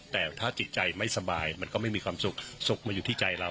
แต่ถ้าจิตใจไม่สบายมันก็ไม่มีความสุขสุขมาอยู่ที่ใจเรา